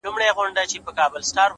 زغم د بریا اوږده لاره لنډوي’